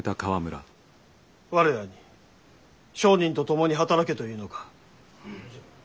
我らに商人と共に働けというのか？